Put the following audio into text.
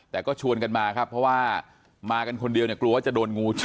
แต่ก็ชวนกันมาครับเพราะว่ามากันคนเดียวเนี่ยกลัวว่าจะโดนงูชน